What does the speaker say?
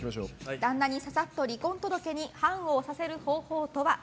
旦那にささっと離婚届に判を押させる方法とは？